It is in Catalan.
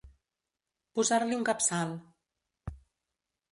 Posar-li un capçal.